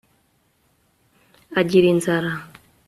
agira inzara